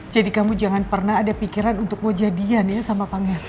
jadi kamu jangan pernah ada pikiran untuk mau jadian ya sama pangeran